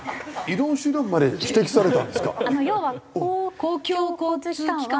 移動手段まで指摘されたんですか？